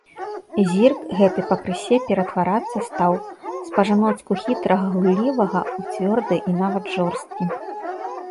Зірк гэты пакрысе ператварацца стаў з па-жаноцку хітрага, гуллівага ў цвёрды і нават жорсткі.